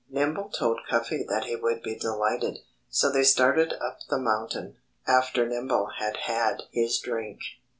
Nimble told Cuffy that he would be delighted. So they started up the mountain, after Nimble had had his drink.